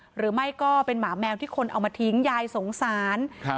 หรือไม่ก็เป็นหมาแมวที่คนเอามาทิ้งยายสงสารครับ